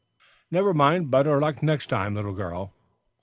"Never mind; better luck next time, little girl."